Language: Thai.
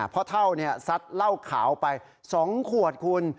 เพราะเท่านี้สัดเหล้าขาวไป๒ขวดคุณ